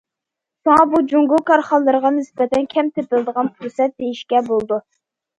شۇڭا، بۇ جۇڭگو كارخانىلىرىغا نىسبەتەن كەم تېپىلىدىغان پۇرسەت، دېيىشكە بولىدۇ.